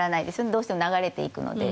どうしても流れていくので。